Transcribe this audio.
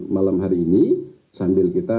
malam hari ini sambil kita